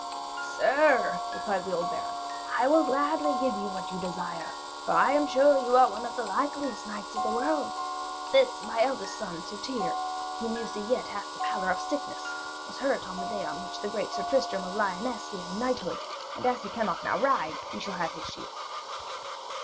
'Sir,' replied the old baron, 'I will gladly give you your desire, for I am sure you are one of the likeliest knights of the world. This, my eldest son, Sir Tirre, whom you see hath yet the pallor of sickness, was hurt on the day on which the great Sir Tristram of Lyones gave him knighthood, and as he cannot now ride, ye shall have his shield.'